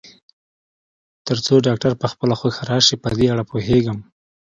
تر څو ډاکټر په خپله خوښه راشي، په دې اړه پوهېږم.